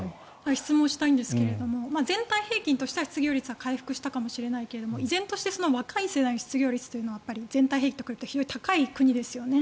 質問したいんですが全体平均としては失業率は回復したかもしれないけれど依然として若い世代の失業率は全体平均と比べて高いですよね。